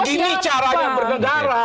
ini caranya bergedara